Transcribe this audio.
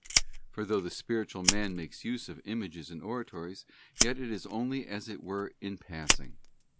For though the spiritual man makes use of Images and Oratories, yet it is only as it were in passing.